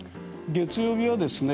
月曜日はですね